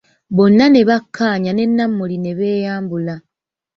Bonna ne bakkaanya ne Namuli ne beyambula.